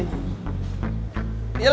nanti bisa dikawal